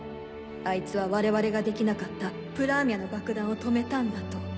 あいつは我々ができなかったプラーミャの爆弾を止めたんだ」と。